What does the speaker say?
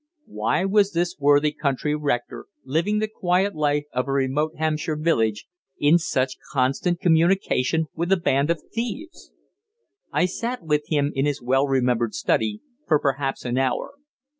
Why was this worthy country rector, living the quiet life of a remote Hampshire village, in such constant communication with a band of thieves? I sat with him in his well remembered study for perhaps an hour.